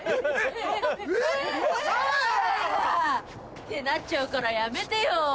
ってなっちゃうからやめてよ。